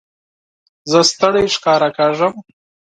زه ستړی ښکاره کېږم.